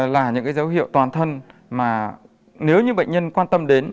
là những dấu hiệu toàn thân mà nếu như bệnh nhân quan tâm đến